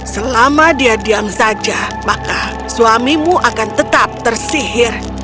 selama dia diam saja maka suamimu akan tetap tersihir